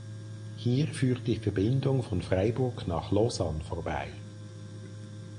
Hier führt die Verbindung von Freiburg nach Lausanne vorbei.